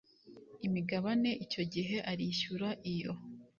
Imigabane icyo gihe arishyura iyo